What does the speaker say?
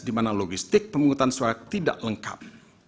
di mana logistik penghutang suara tidak lengkap